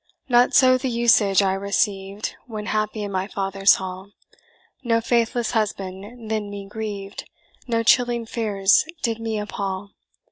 "Not so the usage I received When happy in my father's hall; No faithless husband then me grieved, No chilling fears did me appal.